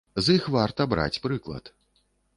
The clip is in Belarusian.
З іх варта браць прыклад.